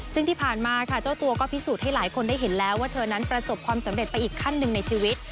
ซึ่งที่ผ่านมาค่ะเจ้าตัวก็พิสูจน์ให้หลายคนได้เห็นแล้วว่าเธอนั้นประสบความสำเร็จไปอีกขั้นหนึ่งในชีวิต